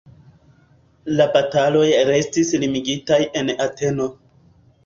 La bataloj restis limigitaj en Ateno.